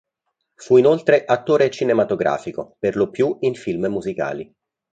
Fu inoltre attore cinematografico, perlopiù in film musicali.